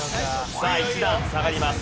さあ１段下がります。